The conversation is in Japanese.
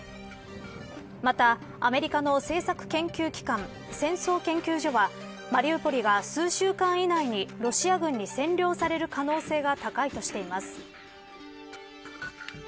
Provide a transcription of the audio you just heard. また、アメリカの政策研究機関戦争研究所はマリウポリが数週間以内にロシア軍に占領される可能性が高いとしています。